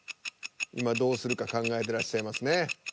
今どうするか考えてらっしゃいますね。